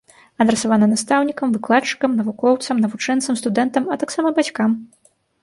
Адрасавана настаўнікам, выкладчыкам, навукоўцам, навучэнцам, студэнтам, а таксама бацькам.